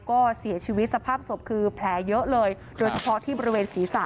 ก็เสียชีวิตสภาพศพคือแผลเยอะเลยโดยเฉพาะที่บริเวณศีรษะ